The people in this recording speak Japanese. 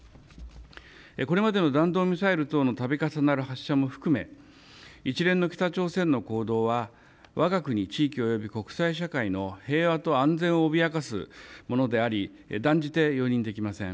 これまでの弾道ミサイル等のたび重なる発射も含め一連の北朝鮮の行動は、わが国地域および国際社会の平和と安全を脅かすものであり断じて容認できません。